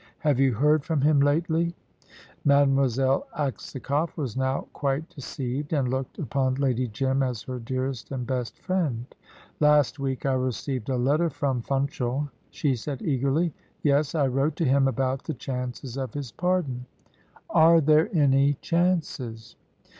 Have you heard from him lately?" Mademoiselle Aksakoff was now quite deceived, and looked upon Lady Jim as her dearest and best friend. "Last week I received a letter from Funchal," she said eagerly. "Yes; I wrote to him about the chances of his pardon " "Are there any chances?"